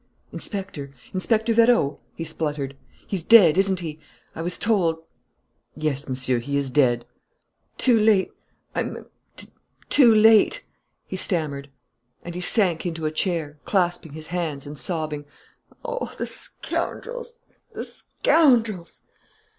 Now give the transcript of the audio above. "Inspector ... Inspector Vérot?" he spluttered. "He's dead, isn't he? I was told " "Yes, Monsieur, he is dead." "Too late! I'm too late!" he stammered. And he sank into a chair, clasping his hands and sobbing: "Oh, the scoundrels! the scoundrels!"